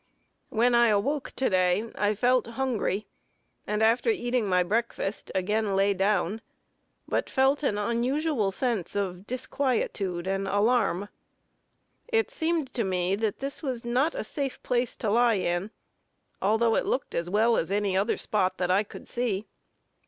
When I awoke to day, I felt hungry and after eating my breakfast, again lay down, but felt an unusual sense of disquietude and alarm. It seemed to me that this was not a safe place to lie in, although it looked as well as any other spot that I could see.